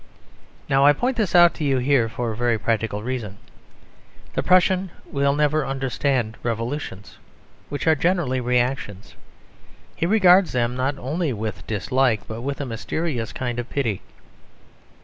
Now I point this out to you here for a very practical reason. The Prussian will never understand revolutions which are generally reactions. He regards them, not only with dislike, but with a mysterious kind of pity.